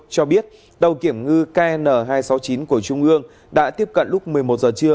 cho biết tàu kiểm ngư kn hai trăm sáu mươi chín của trung ương đã tiếp cận lúc một mươi một giờ trưa